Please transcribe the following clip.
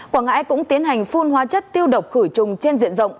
quảng ngãi cũng tiến hành phun hóa chất tiêu độc khử trùng trên diện rộng